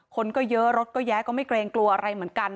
คนก็เยอะรถก็แย้ก็ไม่เกรงกลัวอะไรเหมือนกัน